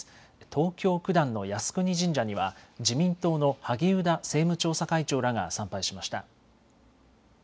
東京九段の靖国神社には自民党の萩生田政務調査会長らが参拝しました。